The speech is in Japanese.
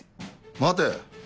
待て。